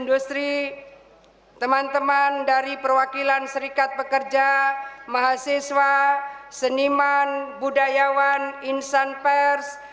industri teman teman dari perwakilan serikat pekerja mahasiswa seniman budayawan insan pers